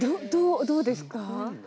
どうですか？